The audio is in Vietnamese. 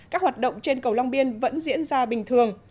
các hoạt động trên cầu long biên vẫn diễn ra bình thường